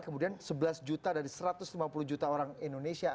kemudian sebelas juta dari satu ratus lima puluh juta orang indonesia